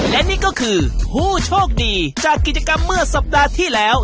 และนี่ก็คือผู้โชคดีจากกิจกรรมเมื่อสัปดาห์ที่แล้ว